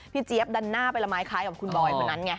พี่เจี๊ยบดันหน้าเป็นละไม้คล้ายกับคุณบอยล์เหมือนนั้นไง